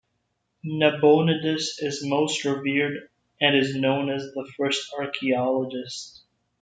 Nabonidus is most revered and is known as the first archaeologist.